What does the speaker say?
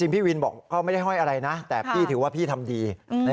พี่วินบอกก็ไม่ได้ห้อยอะไรนะแต่พี่ถือว่าพี่ทำดี